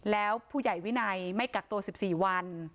แล้วผู้ใหญ่วินัยไม่กักตัว๑๔วัน